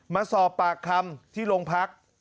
มาสอบปากคำที่โรงพัก